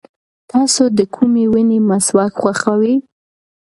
تاسو د کومې ونې مسواک خوښوئ؟